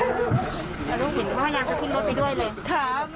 แล้วลูกเห็นว่ายังจะขึ้นรถไปด้วยเลย